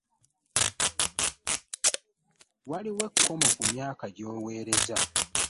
Waliwo ekkomo ku myaka gy'oweereza.